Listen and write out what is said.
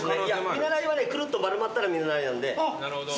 見習いはねくるっと丸まったら見習いなんで新人です。